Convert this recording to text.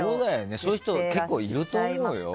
そういう人、結構いると思うよ。